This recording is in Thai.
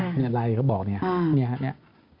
หลังจากไลน์ก็บอกเนี่ย